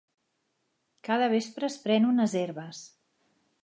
Cada vespre es pren unes herbes.